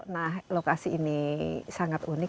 nah lokasi ini sangat unik